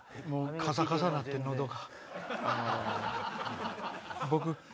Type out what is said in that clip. カサカサになって喉が。